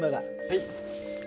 はい。